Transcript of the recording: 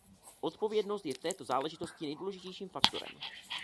Odpovědnost je v této záležitosti nejdůležitějším faktorem.